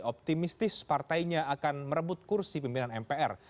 optimistis partainya akan merebut kursi pimpinan mpr